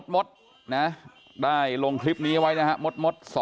มดนะได้ลงคลิปนี้ไว้นะฮะมด๒